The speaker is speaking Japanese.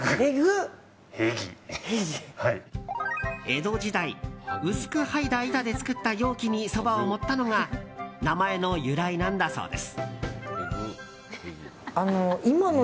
江戸時代薄く剥いだ板で作った容器にそばを盛ったのが名前の由来なんだそうです。